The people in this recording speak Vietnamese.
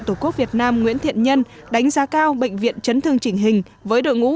tổ quốc việt nam nguyễn thiện nhân đánh giá cao bệnh viện chấn thương chỉnh hình với đội ngũ